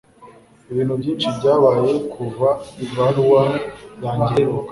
Ibintu byinshi byabaye kuva ibaruwa yanjye iheruka.